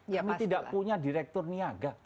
kami tidak punya direktur niaga